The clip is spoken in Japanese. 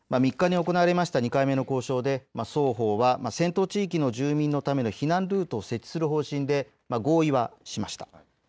３日に行われた２回目の交渉で、双方は戦闘地域の住民の避難ルートを設置する方針で合意はしました。